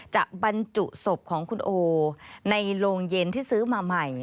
บรรจุศพของคุณโอในโรงเย็นที่ซื้อมาใหม่